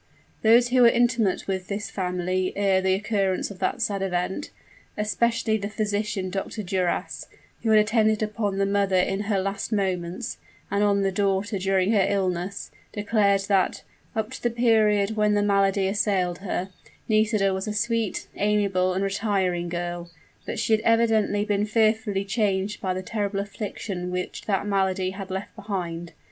Those who were intimate with this family ere the occurrence of that sad event especially the physician, Dr. Duras, who had attended upon the mother in her last moments, and on the daughter during her illness declared that, up to the period when the malady assailed her, Nisida was a sweet, amiable and retiring girl; but she had evidently been fearfully changed by the terrible affliction which that malady had left behind.